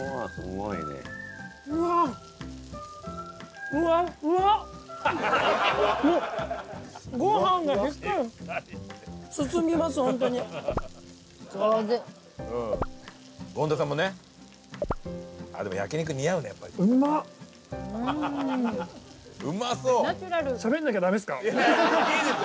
いいですよ。